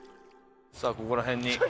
さあここら辺に。